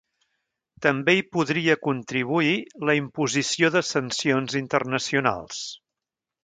També hi podria contribuir la imposició de sancions internacionals.